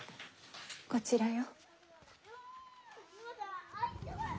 こちらよ。